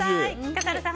笠原さん